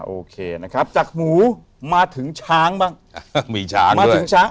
โอเคนะครับจากหมูมาถึงช้างบ้างมีช้างมาถึงช้าง